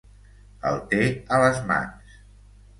El té a les mans.